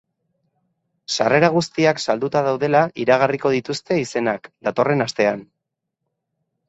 Sarrera guztiak salduta daudela iragarriko dituzte izenak, datorren astean.